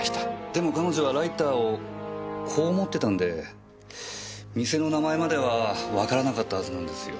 でも彼女はライターをこう持ってたんで店の名前まではわからなかったはずなんですよ。